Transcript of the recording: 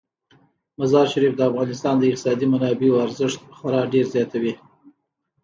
مزارشریف د افغانستان د اقتصادي منابعو ارزښت خورا ډیر زیاتوي.